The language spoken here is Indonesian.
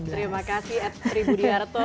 terima kasih at tri budiarto